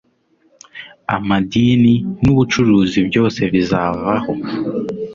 amadini n'ubucuruzi, byose bizavaho.